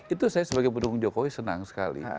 itu saya sebagai pendukung jokowi senang sekali